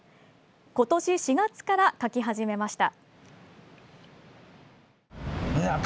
ことし４月から描き始めました。